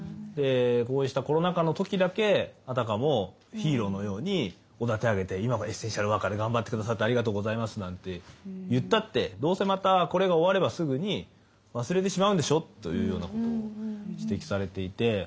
でこうしたコロナ禍の時だけあたかもヒーローのようにおだて上げて今もエッセンシャルワーカーで頑張って下さってありがとうございますなんて言ったってどうせまたこれが終わればすぐに忘れてしまうんでしょというようなことを指摘されていて。